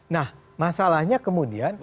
nah masalahnya kemudian